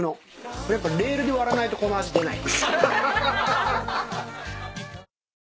これやっぱレールで割らないとこの味出ない。